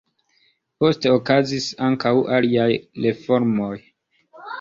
Poste okazis ankaŭ aliaj reformoj.